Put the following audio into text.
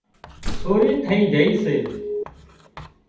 سوري ٿئي جھئي سي